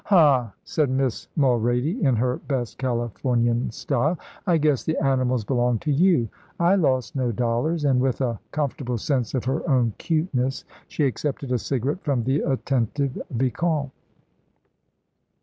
"Huh!" said Miss Mulrady, in her best Californian style. "I guess the animals belonged to you. I lost no dollars"; and with a comfortable sense of her own 'cuteness, she accepted a cigarette from the attentive vicomte.